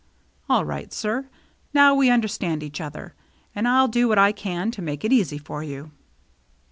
"All right, sir. Now we understand each other. And I'll do what I can to make it easy for you."